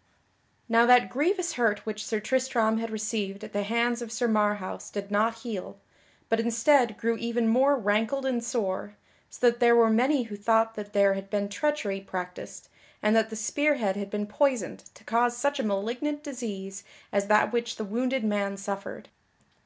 _ Now that grievous hurt which Sir Tristram had received at the hands of Sir Marhaus did not heal, but instead grew even more rankled and sore, so that there were many who thought that there had been treachery practised and that the spearhead had been poisoned to cause such a malignant disease as that with which the wounded man suffered.